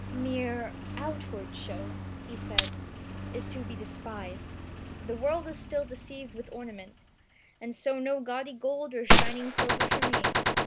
*'Mere outward show," he said, "is to be despised. The world is still deceived with ornament, and so no gaudy gold or shining silver for me.